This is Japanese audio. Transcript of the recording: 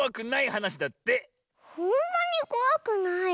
ほんとにこわくない？